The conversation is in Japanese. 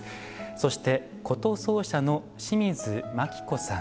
そして箏奏者の清水万紀子さん。